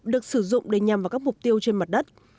được sử dụng để nhằm vào các mục tiêu trên mặt đất